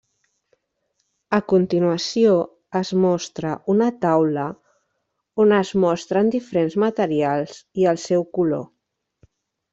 A continuació es mostra una taula on es mostren diferents materials i el seu color.